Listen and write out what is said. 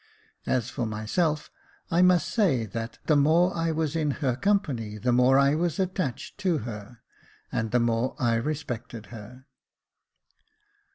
As for myself, I must say, that the more I was in her company the more I was attached to her, and the more I respected her.